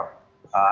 oke cukup dekat